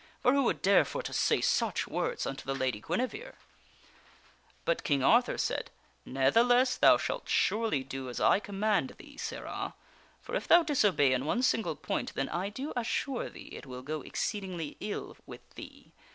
For who would dare for to say such words unto the Lady Guinevere?" But King Arthur said :" Ne'theless, thou shalt surely do as I command thee, sirrah. For if thou disobey in one single point, then I do assure thee it will go exceedingly ill with thee.